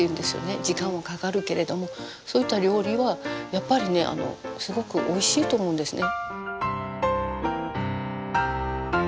時間はかかるけれどもそういった料理はやっぱりねすごくおいしいと思うんですね。